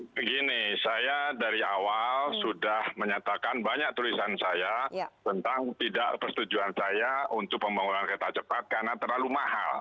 begini saya dari awal sudah menyatakan banyak tulisan saya tentang tidak persetujuan saya untuk pembangunan kereta cepat karena terlalu mahal